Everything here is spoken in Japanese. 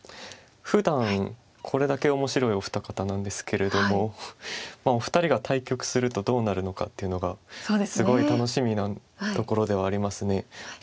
ふだんこれだけ面白いお二方なんですけれどもお二人が対局するとどうなるのかっていうのがすごい楽しみなところではあります。